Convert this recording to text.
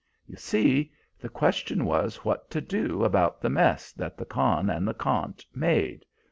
You see, the question was what to do about the mess that the Khan and Khant made.